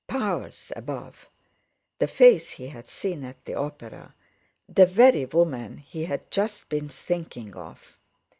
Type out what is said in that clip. Powers above! The face he had seen at the opera—the very woman he had just been thinking of!